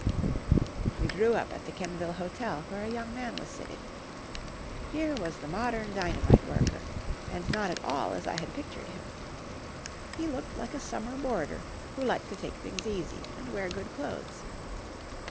We drew up at the Kenvil hotel, where a young man was sitting. Here was the modern dynamite worker, and not at all as I had pictured him. He looked like a summer boarder who liked to take things easy and wear good clothes.